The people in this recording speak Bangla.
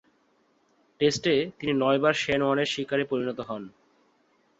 টেস্টে তিনি নয়বার শেন ওয়ার্নের শিকারে পরিণত হন।